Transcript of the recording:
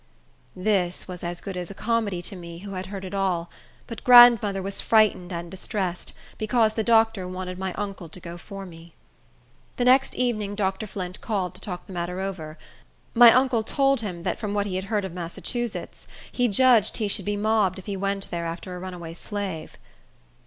This was as good as a comedy to me, who had heard it all; but grandmother was frightened and distressed, because the doctor wanted my uncle to go for me. The next evening Dr. Flint called to talk the matter over. My uncle told him that from what he had heard of Massachusetts, he judged he should be mobbed if he went there after a runaway slave.